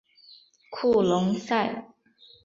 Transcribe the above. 库隆塞。